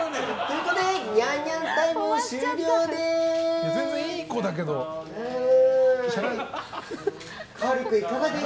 ここでニャンニャンタイム終了です。